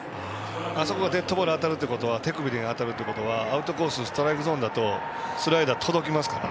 あそこでデッドボールが手首に当たるということはアウトコースストライクゾーンだとスライダー、届きますから。